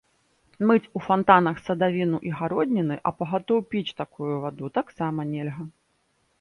Мыць у фантанах садавіну і гародніны, а пагатоў піць такую ваду таксама нельга.